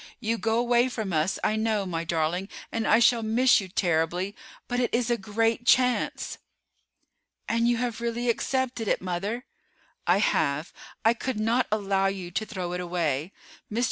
You go away from us, I know, my darling, and I shall miss you terribly; but it is a great chance." "And you have really accepted it, mother?" "I have. I could not allow you to throw it away. Mr.